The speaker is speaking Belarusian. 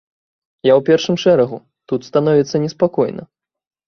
Я ў першым шэрагу, тут становіцца неспакойна.